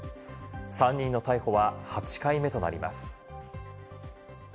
３人の逮捕は８回目となります。